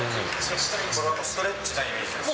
ストレッチのイメージですか？